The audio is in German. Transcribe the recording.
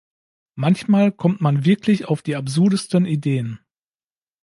Manchmal kommt man wirklich auf die absurdesten Ideen.